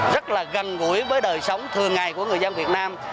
rất là ghê